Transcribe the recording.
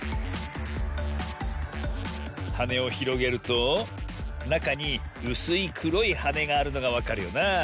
はねをひろげるとなかにうすいくろいはねがあるのがわかるよなあ。